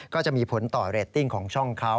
ก็จะมีผลต่อเรตติ้งของช่องเขา